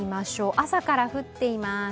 朝から降っています。